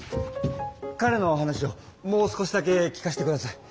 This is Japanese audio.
かれの話をもう少しだけ聞かしてください。